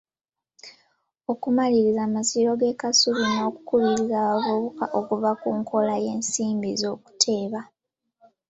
Okumaliriza amasiro g’e Kasubi n'okukubiriza abavubuka okuva ku nkola ey’ensimbi ez’okuteeba.